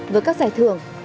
với các giải thưởng